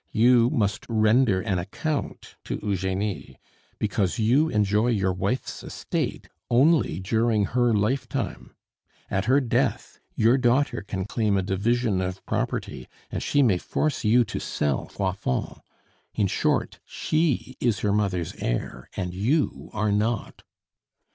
You must render an account to Eugenie, because you enjoy your wife's estate only during her lifetime. At her death your daughter can claim a division of property, and she may force you to sell Froidfond. In short, she is her mother's heir, and you are not."